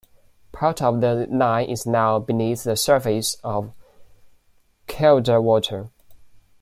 Part of the line is now beneath the surface of Kielder Water.